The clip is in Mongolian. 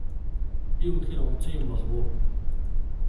Би үнэхээр унтсан юм болов уу?